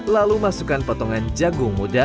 lalu masukkan potongan jagung muda